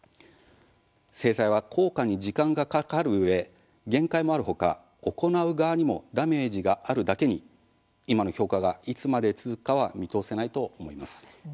制裁は効果に時間がかかるうえ限界もあるほか行う側にもダメージがあるだけに今の評価が、いつまで続くかは見通せないと思います。